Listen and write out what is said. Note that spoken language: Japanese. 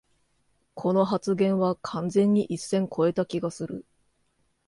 この発言は完全に一線こえた気がする